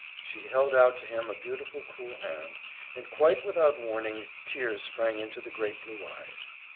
She held out to him a beautiful cool hand, and quite without warning, tears sprang into the great blue eyes.